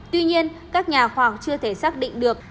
tuy nhiên các nhà khoa học chưa thể xác định được